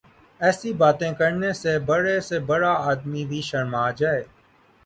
ایسی باتیں کرنے سے بڑے سے بڑا آدمی بھی شرما جائے۔